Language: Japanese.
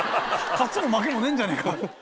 勝ちも負けもねえんじゃねぇか。